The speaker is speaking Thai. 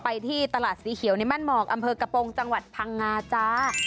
ที่ตลาดสีเขียวในมั่นหมอกอำเภอกระโปรงจังหวัดพังงาจ้า